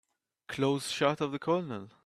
Close shot of the COLONEL.